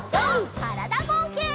からだぼうけん。